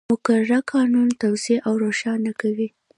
مقرره قانون توضیح او روښانه کوي.